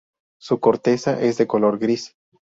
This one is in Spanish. Su corteza es de color gris.